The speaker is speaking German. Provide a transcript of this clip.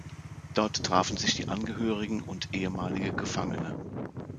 Dort trafen sich die Angehörigen und ehemalige Gefangene.